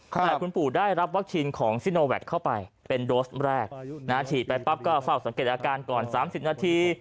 แต่คุณปู่ได้รับวัคซีนของซิโนแวคเข้าไปเป็นโดสแรกฉีดไปปั๊บก็เฝ้าสังเกตอาการก่อน๓๐นาที